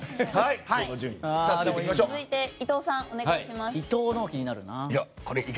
続いて伊藤さんお願いします。